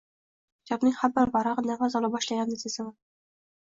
Kitobning har bir varag‘i nafas ola boshlaganini sezaman.